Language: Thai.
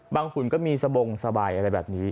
หุ่นก็มีสบงสบายอะไรแบบนี้